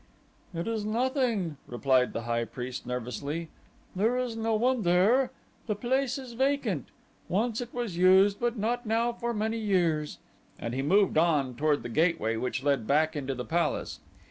"It is nothing," replied the high priest nervously, "there is no one there. The place is vacant. Once it was used but not now for many years," and he moved on toward the gateway which led back into the palace.